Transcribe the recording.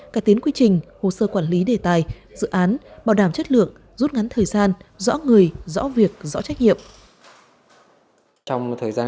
cải tiến quy trình hồ sơ quản lý đề tài dự án bảo đảm chất lượng rút ngắn thời gian